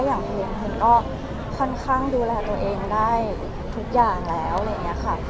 อย่างพี่น้องชายผมก็ค่อนข้างดูแลตัวเองได้ทุกอย่างแล้ว